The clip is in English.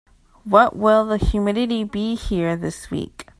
What will the humidity be here this week?